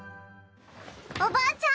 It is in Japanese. おばあちゃん！